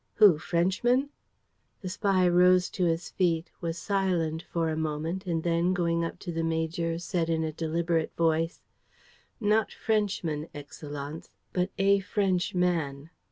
"Who? Frenchmen?" The spy rose to his feet, was silent for a moment and then, going up to the major, said in a deliberate voice: "Not Frenchmen, Excellenz, but a Frenchman."